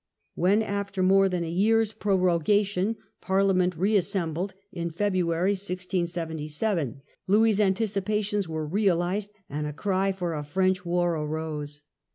When, after more than a year's prorogation. Parliament reassembled in February, 1677, . Louis' anticipations were realized, and a cry for a French war arose.